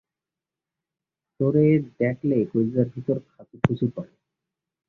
তোরে দ্যাক্লে কইল্জার ভিতরে খাচুর-খুচুর করে।